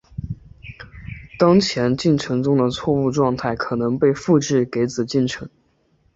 当前进程中的错误状态可能被复制给子进程。